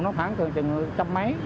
nó khoảng trường trường trăm mấy